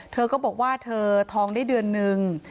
เธอก็บอกว่าเธอทองได้เดือนนึง